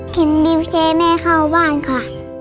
ขึ้นพิวเซแม่เข้าบ้านค่ะ